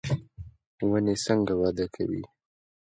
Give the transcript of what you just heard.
ونې څنګه وده کوي؟